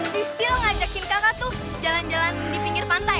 di skill ngajakin kakak tuh jalan jalan di pinggir pantai